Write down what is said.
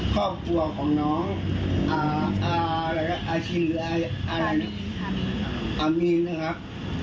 ครอบครัวของน้องอาชินหรืออะไรสามีนะครับ